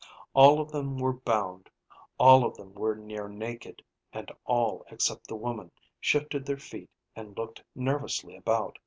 All of them were bound, all of them were near naked, and all except the woman shifted their feet and looked nervously about.